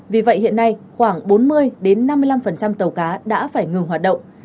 vì vậy hiện nay khoảng bốn mươi năm mươi năm tàu cá đã phải ngừng hoạt động